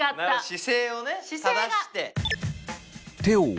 姿勢をね正して。